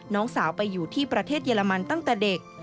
น้องสาวไปอยู่ที่ประเทศเยอรมันตั้งแต่เด็ก